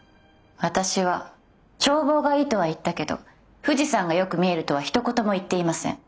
私は「眺望がいい」とは言ったけど「富士山がよく見える」とはひと言も言っていません。